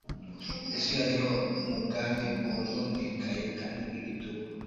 Yesu yariho mu bwami bwononekaye kandi bw'igitugu,